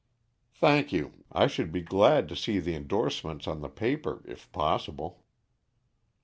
"Thank you. I should be glad to see the indorsements on the paper, if possible."